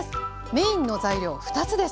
メインの材料２つです。